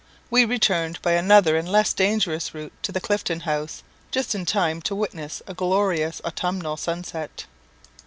We returned by another and less dangerous route to the Clifton House, just in time to witness a glorious autumnal sunset.